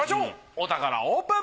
お宝オープン！